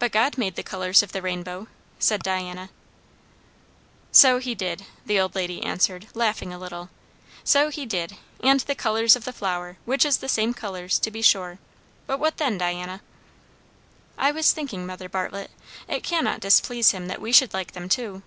"But God made the colours of the rainbow," said Diana. "So he did," the old lady answered, laughing a little. "So he did; and the colours of the flowers, which is the same colours, to be sure; but what then, Diana?" "I was thinking, Mother Bartlett it cannot displease him that we should like them too."